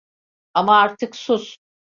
Ama artık sus…